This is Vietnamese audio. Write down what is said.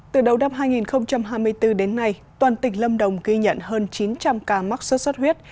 từ đầu năm hai nghìn hai mươi bốn đến nay toàn tỉnh lâm đồng ghi nhận hơn chín trăm linh ca mắc sốt xuất huyết